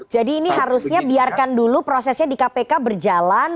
jadi ini harusnya biarkan dulu prosesnya di kpk berjalan